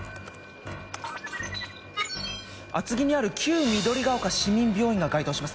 厚木にある旧緑ヶ丘市民病院が該当します。